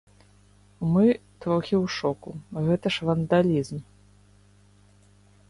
Мы трохі ў шоку, гэта ж вандалізм.